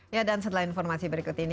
ya dan setelah informasi berikut ini